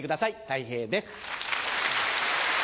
たい平です。